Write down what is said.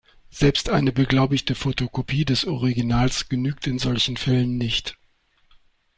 Selbst eine beglaubigte Fotokopie des Originals genügt in solchen Fällen nicht.